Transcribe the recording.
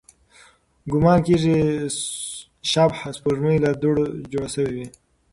ګومان کېږي، شبح سپوږمۍ له دوړو جوړې شوې وي.